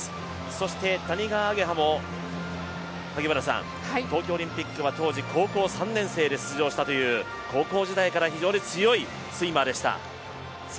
そして谷川亜華葉も東京オリンピックは当時、高校３年生で出場したという高校時代から非常に強いスイマーでした。